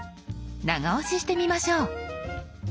長押ししてみましょう。